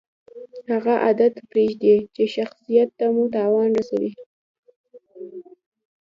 هغه عادت پرېږدئ، چي شخصت ته مو تاوان رسوي.